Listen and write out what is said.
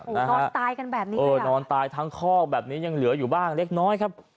โอ้โหนอนตายกันแบบนี้เออนอนตายทั้งคอกแบบนี้ยังเหลืออยู่บ้างเล็กน้อยครับ